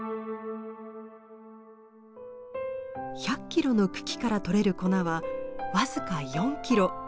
１００キロの茎からとれる粉は僅か４キロ。